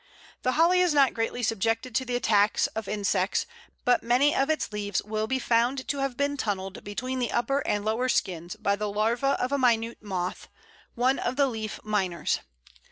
The Holly is not greatly subject to the attacks of insects, but many of its leaves will be found to have been tunnelled between the upper and lower skins by the larva of a minute moth, one of the Leaf miners.